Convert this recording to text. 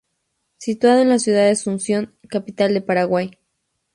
Situado en la ciudad de Asunción, capital del Paraguay.